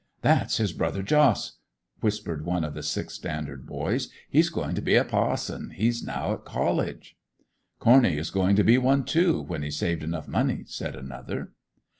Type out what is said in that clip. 'That's his brother Jos!' whispered one of the sixth standard boys. 'He's going to be a pa'son, he's now at college.' 'Corney is going to be one too, when he's saved enough money,' said another.